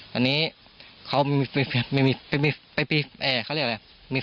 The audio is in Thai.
ตัวนี้เขามี